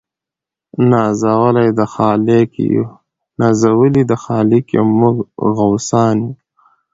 نازولي د خالق یو موږ غوثان یو